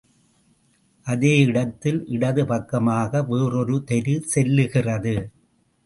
அதே இடத்தில் இடது பக்கமாக வேறோரு தெரு செல்லுகிறது.